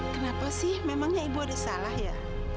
kenapa sih memangnya ibu ada salah ya